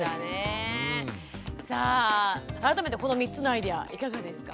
さあ改めてこの３つのアイデアいかがですか？